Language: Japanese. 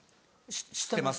し知ってます。